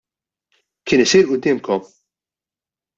Kien isir quddiemkom?